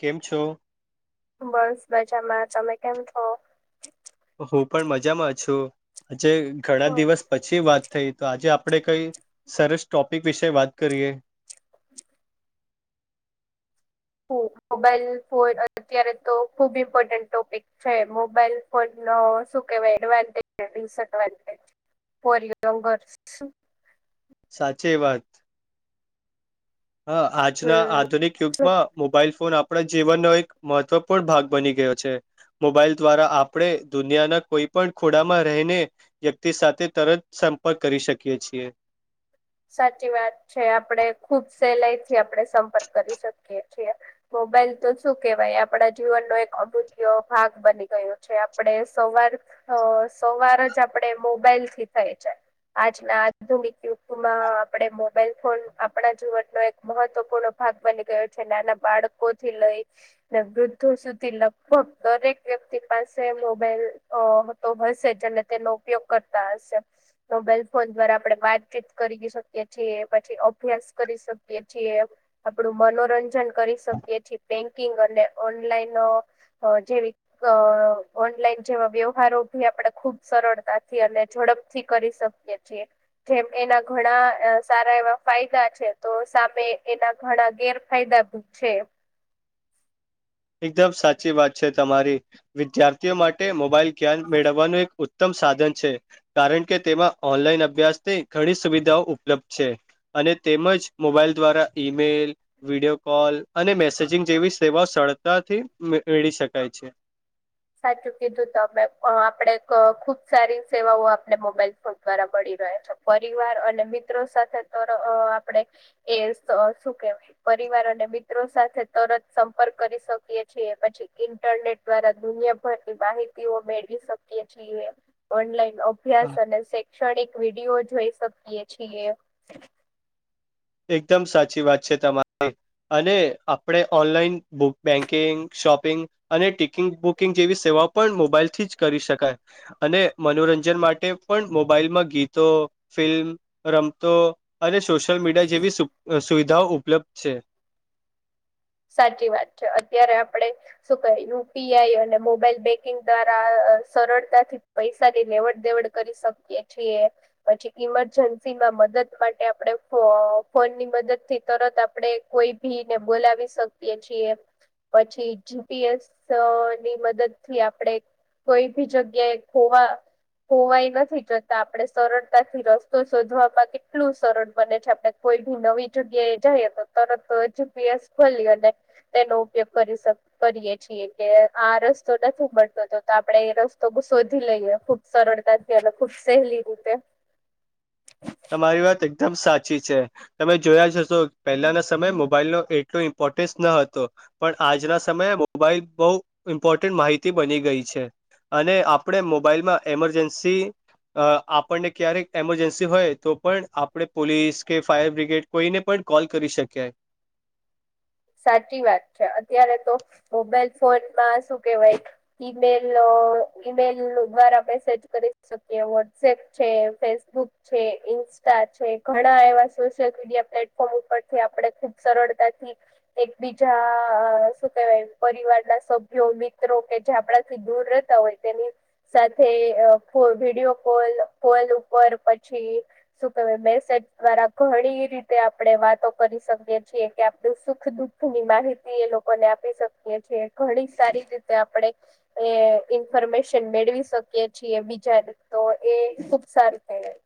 કેમ છો. બસ બજામાં તમે કેમ છો. હું પણ મજામાં છું આજે ઘણા હમ. દિવસ પછી વાત. થઈ તો આજે આપણેે કઈ સરસ ટોપિક વિશે વાત કરીએ. હ હ. મોબાઈલ ફોન અત્યારે તો ખુબ ઇમ્પોર્ટન્ટ ટોપિક છે મોબાઈલ ફોન ન શું કેય. એડવાન્ટેજ અને ડીસ એડવાન્ટેજ. સાચે વાત. હા આજના હમ આધુનિક યુગમાં મોબાઈલ ફોન આપ. આપણા જીવનનો એક મહત્વપૂર્ણ ભાગ બની ગયો છે. મોબાઈલ દ્વારા આપણે દુનિયાના કોઈ પણ ખોડામાં રહીને વ્યક્તિ સાથે તરત. સંપર્ક કરી શકીએ છીએ. સાચી વાત છે આપડે ખુબ સહેલાઈ થી આપણે સંપર્ક કરી શકીએ છીએ. મોબાઈલ તો શું કેવાય આપણા જીવનનો એક અભૂખ્ય ભાગ બની ગયો છે આપણે સવાર. અ સવાર જ આપડે મોબાઈલ થી થઈ જાય આજના આધુનિક યુગ. માં આપે મોબાઈલ ફોન આપણા જીવનનો એક મહત્વપૂર્ણ ભાગ બની ગયો છે નાના બાળ. કોથી લઈ ને વૃદ્ધો સુધી લગભગ દરેક વ્યક્તિ પાસે મોબાઈલ. અ તો હશે જ અને તેનો ઉપયોગ કરતા હશે મોબાઈલ ફોન દ્વારા આપણે વાતચીત. કરી શકીએ છીએ પછી અભ્યાસ કરી શકીએ છીએ આપડું મનોરંજન. કરી શકીએ છે પેન્ટિંગ અને ઓનલાઈન ન. જેવી અ ઓનલાઈન જેવા વ્યવહારો ભી આપણે ખુબ સરળતાથી અને જડ. ડપથી કરી શકીએ છીએ જેમ. એના ઘણા અ સારા એવા ફાયદા છે તો સામે એના ઘણા ગેરફાયદ છે. એકદમ સાચી વાત છે તમારી વિદ્યાર્થીઓ માટે મોબાઈલ જ્ઞાન મેળવવાનું એકઉ. ઉત્તમ સાધન છે કારણ કે તેમાં ઓનલાઈન અભ્યાસ થી ઘણી સુવિધાઓ ઉપલબ્ધ છે. અને તેમજ મોબાઈલ દ્વારા ઈમેલ વિડીયો કોલ અને મેસેજિંગ જેવી સેવાઓ સર. તથી મેળવી શકાય છે. સાચું કીધું તો અમે આપડે ખુબ સારી સેવાઓ આપણે મોબાઈલ ફોન દ્વારા મળી. રહ્યા છો પરિવાર અને મિત્રો સાથે અ આપડે એલ્સ શું કેવાય. પરિવાર અને મિત્રો સાથે તરત સંપર્ક કરી શકીએ છીએ પછી ઇન્ટરનેટ દ્વારા. દુનિયાભર માહિતીઓ મેળવી શકીએ છીએ ઓનલાઈન. અભ્યાસ અને શૈક્ષણિક વિડીયો જોઈ શકીએ છીએ. એકદમ સાચી વાત છે તમારે અને આપણે ઓનલાઈન બુક બેંકિંગ શોપિંગ અને ટિકિટ બુકિંગ જેવી સેવા પણ મોબાઈલથી જ કરી શકાય અને મનોરંજન. જન માટે પણ મોબાઈલમાં ગીતો ફિલ્મ રમતો અને સોશિયલ મીડિયા. જેવી સુ સુવિધાઓ ઉપલબ્ધ છે. સાચી વાત છે અત્યારે આપણે શું ક યુપીઆઈ અને મોબાઈલ બેંકિંગ દ્વારા. સરળતાથી પૈસાની લેવડ દેવડ કરી શકીએ છીએ પછી ઈમરજન્સીમાં. મદદ માટે આપડે ફો ફોન ની મદદ થી તરત આપડે કોઈ ભીને બોલાવી શ. કીએ છીએ પછી જીપીએસ ની મદદ થી આપણેે. કોઈ ભી જગ્યાએ ખોવા. ખોવાઈ નથી જતા આપડે સરળતાથી રસ્તો શોધવામાં કેટલું સરળ બને છે આપણે કોઈ નવી જગ્યા એ જાય તો તરત જ જી પી એશ ખોલી અને, તેનો ઉપયોગ કરી કરીએ છીએ કે આ રસ્તો નથી મળતો. આપડે એ રસ્તો શોધી લઈએ ખુબ સરળતાથી ખુબ સહેલી રીતે. હ [inaudible] તમારી વાત એકદમ સાચી છે, તમે જોયા જશો પહેલાના સમયે મોબાઈલ ન એટલું ઇમ્પો ટેસ ન હતો, પણ આજના સમયે મોબાઈલ બહુ ઇમ્પોર્ટન્ટ માહિતી બની ગઈ છે. અને આપણે મોબાઈલમાં એમરજન્સી અ આપણને ક્યારેક એમરજન્સી હોય. તો પણ આપણે પોલીસ કે ફાયર બ્રિગેડ કોઈને પણ કોલ કરી શકીયે. સાચી વાત છે અત્યારે તો, મોબાઈલ ફોનમાં શું કેવાય ઈમેલ અ ઈમેલ દ્વારા મેસેજ કરી શકીએ વોટ્સએપ છે ફેસબુક છે. ઇન્સ્ટા છે ઘણા એવા સોશિયલ મીડિયા પ્લેટફોર્મ ઉપરથી આપડે ખુબ સરળતાથી. એક બીજા અ શું કેહેવાય પરિવાર ના સભ્યો મિત્રો કે જે આપણાથી દૂર તા હોય તેની સાથે વિડીયો કોલ કોલ ઉપર પછી, શું કેહેવાય મેસેજ દ્વારા ઘણી રીતે આપણે વાતો કરી શકીએ છીએ કે આપડે શું દુઃખ ની માહિતી એ લોકોને આપી શકીએ છીએ ઘણી સારી રીતે આપણે, એ ઇન્ફોર્મેશન મેળવી શકીએ છીએ બીજા તો એ ખુબ સારું કેવાય.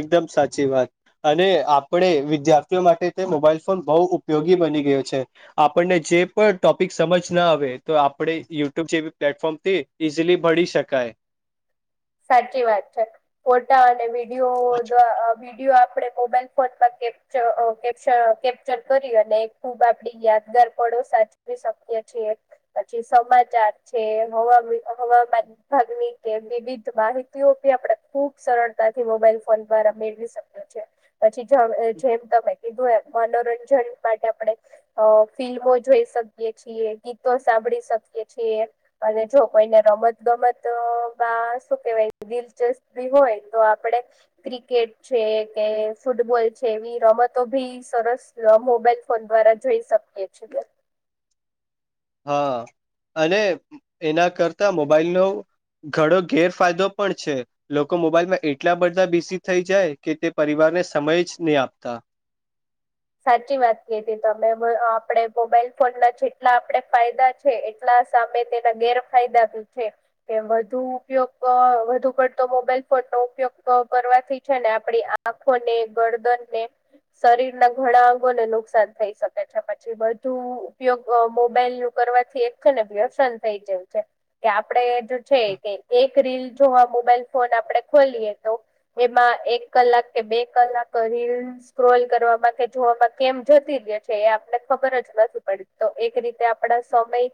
એકદમ સાચી વાત, અને આપણે વિદ્યાર્થીઓ માટે તે મોબાઈલ ફોન બહુ ઉપયોગી બની ગયો છે, આપણને જે પણ ટોપિક સમજ ના આવે તો આપણે યુટ્યુબ જેવી પ્લેટફોર્મ તે ઈઝીલી ભળી શકાય. સાચી વાત છે, ફોટા અને વિડીયો અ વિડીયો આપ આપણે મોબાઈલ ફોનમા કેપ્ચ અ એક્સ કેપ્ચર કરી અને ખૂબ આપડી યાદગાર પડ સાચવી શકીએ છીએ. પછી સમાચાર છે હવા હવામાન વિભાગની કે વિવિધ માહિતીઓ આપડે ખુબ સરળતાથી મોબાઈલ ફોન દ્વારા મેળવી શક્યો છે, પછી જેમ તમે કીધું એ મનોરંજન માટે આપણે અ ફિલ્મો જોઈ શકીએ છીએ. ગીતો સાંભળી શકીએ છીએ, અને જો કોઈને રમત ગમત વાસ શું કેવાય દિલચસ્પી હોય તો આપડે, ક્રિકેટ છે કે ફૂટબોલ છે. એવી રમતો ભી સરસ મોબાઈલ ફોન દ્વારા જોઈ શકીએ છીએ. હા, અને એના કરતા મોબાઈલ નો ઘડો ગેરફાયદો પણ છે, લોકો મોબાઈલમાં એટલા બધા બીસી થઈ જાય કે તે પરિવાર ને સમય જ નહીં આપતા. [inaudible] સાચી વાત કીધી તમે અમે આપડે મોબાઈલ ફોન ના જેટલા આપડે ફાયદા છે એટલા મે તેના ગેરફાયદા છે, કે વધુ ઉપયોગ વધુ પડતો મોબાઈલ ફોન નો ઉપયોગ કરવાથી છે ને આપણી આંખોને ગરદનને, શરીર ના ઘણા અંગોને નુકસાન થઈ શકે છે, પછી બુ ઉપયોગ મોબાઈલ નું કરવાથી એક ને વ્યસાન થઈ જવું છે, કે આપણે જો છે કે એક રીલ જોવા મોબાઈલ ફોન આપ ખોલીએ તો એમાં એક કલાક કે બે કલાક રીલ સ્ક્રોલ કરવા કે જોવામાં કેમ જતી ર છે એ આપને ખબર જ નથી પડીતી તો એક રીતે આપડા સમય એ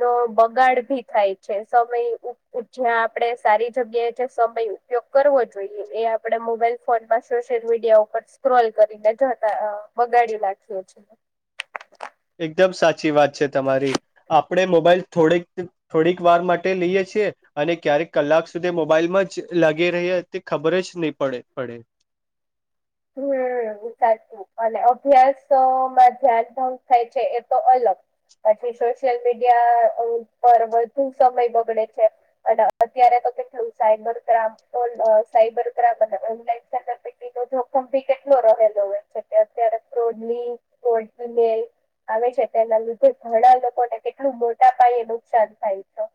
ન બગાડ ભી થાય છે સમય જ્યાં આપડે સારી જગ્યાએ છે સમ ઉપયોગ કરવો જોઈએ એ આપણે મોબાઈલ ફોનમાં સોશિયલ મીડિયા ઉપર સ્ક્રોલ કરીને જણ બગાડ લખ્યું છે. એકદમ સાચી વાત છે, તમારી આપણે મોબાઈલ થોડીક થોડીક વાર માટે લઈએ છેએ. અને ક્યારેક કલાક સુધી મોબાઈલમાં જ લાગી રહી તે ખબર જ નહી પડે પડે. હ. સાચું અને અભ્યાસમાં ધ્યાન ભંગ થાય છે એ તો અલગ પછી સોશિયલ મીડિયા પર વધુ સમય બગડે છે, અને અત્યારે સાયબ ક્રમ સાબર ક્રમ સા કંપી કેટલો રહેલો હોય છે કે અત્યારે કોડની આવે છે તેના લીધે ઘણા લોકોને કેટલું મોટા પાયે નુકસાન થાય છે [inaudible]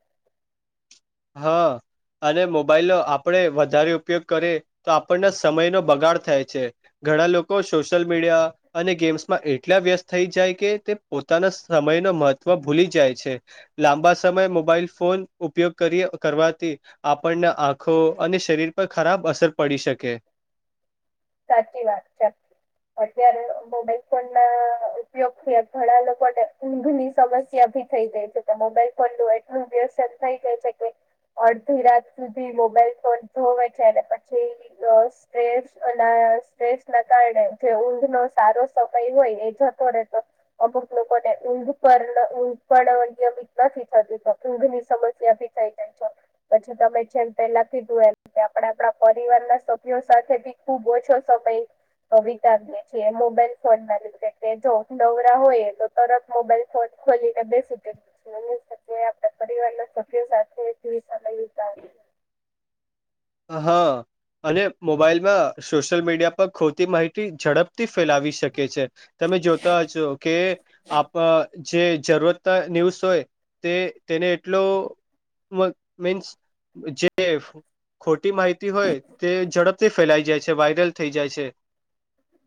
હા અને મોબાઈલ નો આપણે વધારે ઉપયોગ કરીએ તો આપણને સમય નો બગાડ થાય છે ઘણા લોકો સોશિયલ મીડિયા અને ગેમ્સમાં એટલા વ્યસ્ત થઈ જાય કે તે પોતાના સમય ન મહત્વ ભૂલી જાય છે લાંબા સમયે મોબાઈલ ફોન ઉપયોગ કરીએ કરવાથી આપણને આખો અને શરીર પર ખરાબ અસર પડી શકે સાચી વાત છે અત્યારે મોબાઈલ ફોન ના યોગ ઘણા લોકોને ઊંઘ ની સમસ્યા ભી થઈ ગઈ છે મોબાઈલ ફોન એટલું અડધી રાત સુધી મો મોબાઈલ ફોન જોવે છે પછી સ્ટ્રેસ સ્ટ્રેસ ના કારણે ઊંધ નો સારો સફાઈ હોય એ જતો રહેે તો અમુક લોકો ને ઊંધ પર પણ નિયમિત નથી થતું ઊઘની સમસ્યા ભી થઈ જાય છે પછી તમે જેમ પેલા કીધું એમ કે આપડે આપણા પરિવાર ના સભ્યો સાથે ભી ખુબ ઓછો સમય તો વિતાવીએે છીએ મોબાઈલ ફોન જો દવરા હોય તો તરત મોબાઈલ ફોન હોલી બે આપ પરિવારના સભ્યો સાથે [unintelligible] હ હા અને મોબાઈલમાં સોશિયલ મીડિયા પર ખોટી માહિતી ઝડપથી ફેલાવી શકે છે તમે જોતા હ છો કે આપ જે જરૂરત ન્યૂઝ હોય તે તેને એટલો મીન્સ જેફ ખોટી માહિતી હોય તે ઝડપથી ફેલાઈ જાય છે વાયરલ થઈ જાય છે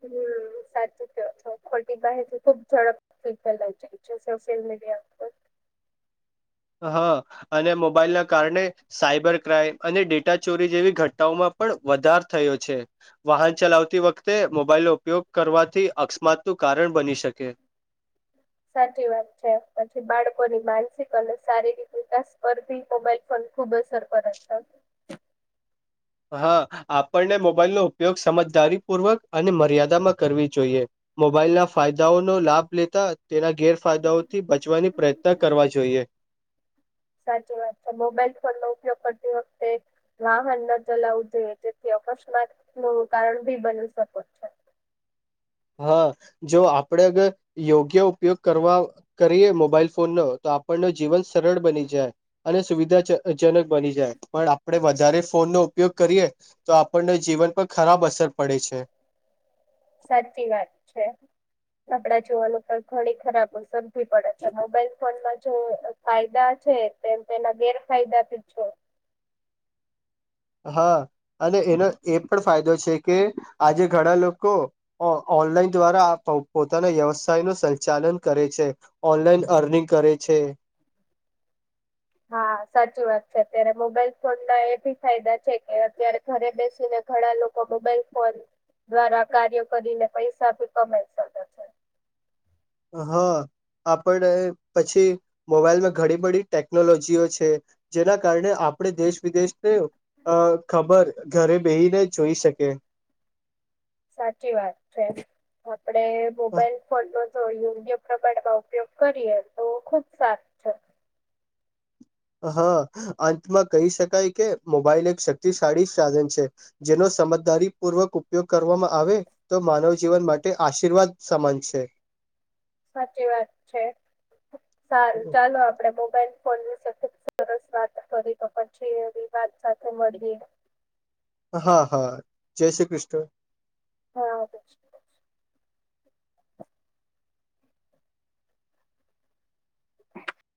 હમ સાચું કેયો છો ખોટી માહિતી ખુબ ઝડપેલા જાય છે [unintelligible] હા અને મોબાઈલ ના કારણે સાયબર ક્રાાઈમ અને ડેટા ચોરી જેવી ઘટનાઓમાં પણ વધાર થયો છે વાહન ચલાવતી વખતે મોબાઈલનો ઉપયોગ કરવાથી અકસ્માતનું કારણ બની શકે [inaudible] સાચી વાત છે પછી બાળકોની માનસિક અને શારીરિક વિકાસ પરથી મોબાઈલ ફોન ખુબ અસર કરે છે. હા આપણને મોબાઈલનો ઉપયોગ સમજદારીપૂર્વક અને મર્યાદામાં કરવી જોઈએ મોબાઈલના ફાયદાઓનો લાભ લેતા તેના ગેરફાયદાઓથી બચવાની પ્રયત્ન કરવા જોઈએ. સાચી વાત છે મોબાઈલ ફોન નો ઉપયોગ કરતી વખતે વાહન ન ચલાવવું જોઈએ જેથી અકસ્માતનું કારણ ભી બની શકો છો હા જો આપણે અગર યોગ્ય ઉપયોગ કરવા કરીએ મોબાઈલ ફોનનો તો આપણનુ જીવન સરળ બની જાય અને સુવિધાજનક બની જાય પણ આપણે વધારે ફોનનો ઉપયોગ કરીએ તો આપણને જીવન પર ખરાબ અસર પડે છે સાચી વાત છે આપણા જોવાનું પણ ઘણી ખરાબ અસર ભી પડે છે. મોબાઈલ ફોનમાં જો ફાયદા છે તો તો એના ગેરફાયદા પણ છે હા અને એનો એ પણ ફાયદો છે કે આજે ઘણાં લોકો ઓનલાઈન દ્વારા પોતાના વ્યવસાયનું સંચાલન કરે છે. ઓનલાઈન અર્નિંગ કરે છે. [inaudible] હા સાચી વાત છે અત્યારે મોબાઈલ ફોનના એ ભી ફાયદા છે કે અત્યારે ઘરે બેસીને ઘણા લોકો મોબાઈલ ફોન દ્વારા કાર્ય કરીને પૈસા ભી કમાઈ શકે છે [inaudible] હા આપણે પછી મોબાઈલમાં ઘણી બધી ટેક્નોલોજીઓ છે. જેનાં કારણે આપણે દેશ વિદેશ તે ખબર ઘરે બેસીને જોઈ શકીએ. સાચી વાત છે આપણે મોબાઈલ ફોન નો જો યોગ્ય પ્રમાણમાં ઉપયોગ કરીએ તો ખુબ સારૂ છે હા અંતમાં કહી શકાય કે મોબાઈલ એક શક્તિશાળી સાધન છે જેનો સમજદારી પૂર્વક ઉપયોગ કરવામાં આવે તો માનવ જીવન માટે આશીર્વાદ સમાન છે સાચી વાત છે સારું ચાલો આપણે મોબાઈલ ફોન વિશે ખૂબ સરસ વાત કરી તો પછી એવી વાત સાથે મળીએ હા હા જય શ્રી કૃષ્ણ હા